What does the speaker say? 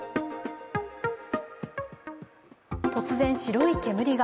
突然、白い煙が。